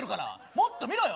もっと見ろよ！